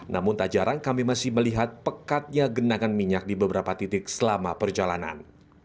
namun tak jarang kami masih melihat pekatnya genangan minyak di beberapa titik selama perjalanan